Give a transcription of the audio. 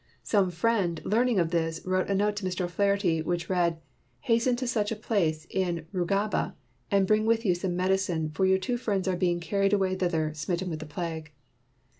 Some friend, learning of this, wrote a note to Mr. O 'Flaherty, which read: "Hasten to such a place in Rubaga and bring with you some medicine, for your two friends are beinsr carried awav thither smitten with the plague.